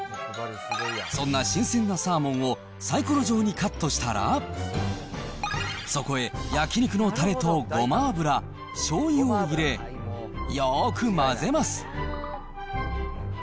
そんな新鮮なサーモンをサイコロ状にカットしたら、そこへ焼き肉のたれとごま油、しょうゆを入れ、よーく混ぜます。